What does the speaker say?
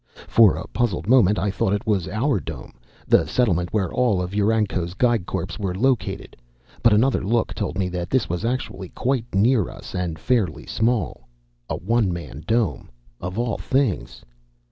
For a puzzled moment I thought it was our Dome, the settlement where all of UranCo's Geig Corps were located, but another look told me that this was actually quite near us and fairly small. A one man Dome, of all things!